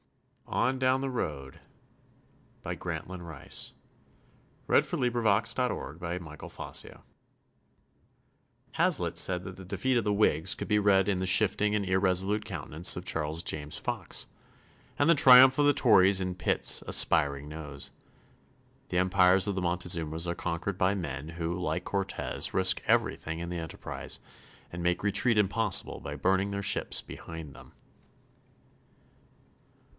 The ridiculous fellow who toots his own horn. Joseph Morris. ON DOWN THE ROAD Hazlitt said that the defeat of the Whigs could be read in the shifting and irresolute countenance of Charles James Fox, and the triumph of the Tories in Pitt's "aspiring nose." The empires of the Montezumas are conquered by men who, like Cortez, risk everything in the enterprise and make retreat impossible by burning their ships behind them.